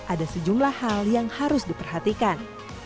ada sejumlah hal yang harus diperhatikan